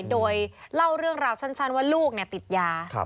โดยเล่าเรื่องราวสั้นว่าลูกติดยา